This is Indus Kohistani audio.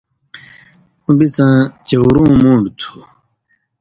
اُو بِڅاں چؤرؤں مُون٘ڈ تُھُو